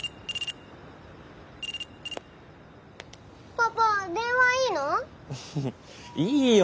パパ電話いいの？